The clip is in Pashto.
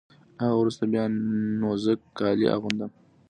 له هغه وروسته بیا نو زه کالي اغوندم.